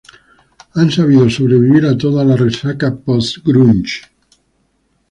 Han sabido sobrevivir a toda la resaca "post-grunge".